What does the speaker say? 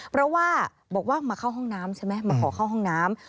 เพราะว่าบอกว่ามาเข้าห้องน้ำใช่ไหมมาขอเข้าห้องน้ำ